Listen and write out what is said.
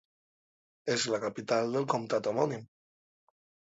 És la capital del comtat homònim.